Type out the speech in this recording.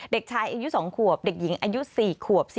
เด็กชายอายุ๒ขวบเด็กหญิงอายุ๔ขวบ